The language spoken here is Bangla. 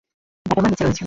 বাবা- মা নীচে রয়েছেন।